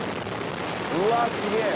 うわすげえ！